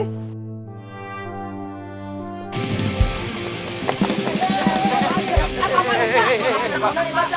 eh apaan itu pak